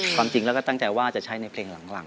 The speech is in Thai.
ความจริงเราก็ตั้งใจว่าจะใช้ในเพลงหลังนะครับ